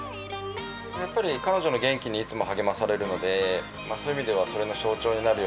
やっぱり彼女の元気にいつも励まされるのでそういう意味ではそれの象徴になるような